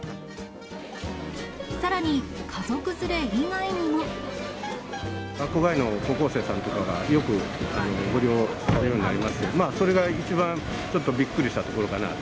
さらに、学校帰りの高校生さんとかが、よくご利用されるようになりまして、それが一番、ちょっとびっくりしたところかなと。